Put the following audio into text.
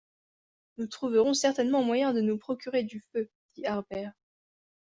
Nous trouverons certainement moyen de nous procurer du feu, dit Harbert